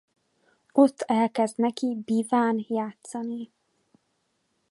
Ott elkezd neki biván játszani.